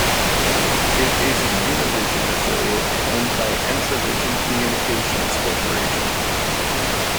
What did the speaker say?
It is a Univision affiliate, owned by Entravision Communications Corporation.